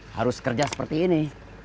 harus kerja seperti ini